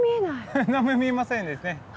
ハハ何も見えませんですね。